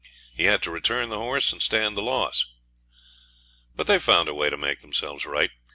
He had to return the horse and stand the loss. But they found a way to make themselves right.